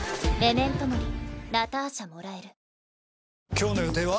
今日の予定は？